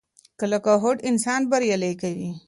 کلکه هوډ انسان بریالی کوي.